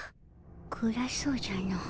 暗そうじゃの。